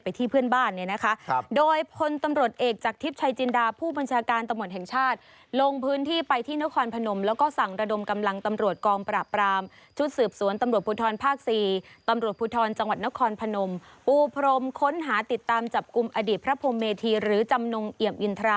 ไปที่เพื่อนบ้านด้วย